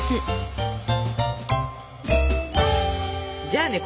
じゃあね